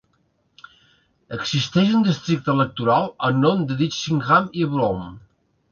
Existeix un districte electoral en nom de Ditchingham i Broome.